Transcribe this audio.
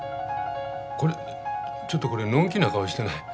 これちょっとこれのん気な顔してない？